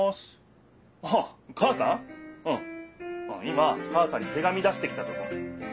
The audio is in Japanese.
今母さんに手紙出してきたとこ。